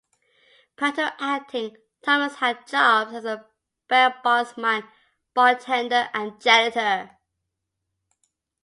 Prior to acting, Thomas had jobs as a bailbondsman, bartender, and janitor.